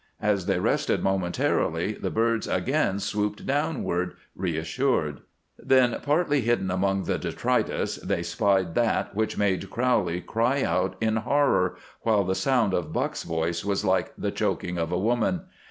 As they rested momentarily the birds again swooped downward, reassured. Then, partly hidden among the detritus, they spied that which made Crowley cry out in horror, while the sound of Buck's voice was like the choking of a woman.